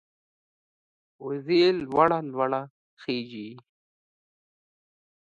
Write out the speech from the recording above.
وزې لوړه لوړه خېژي